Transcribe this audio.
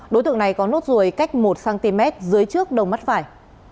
đối tượng này có nốt ruồi cách một cm dưới trước đầu mắt phải